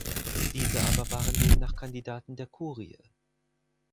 Diese aber waren demnach Kandidaten der Kurie.